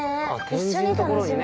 一緒に楽しめる。